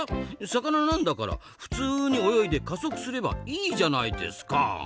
魚なんだから普通に泳いで加速すればいいじゃないですか！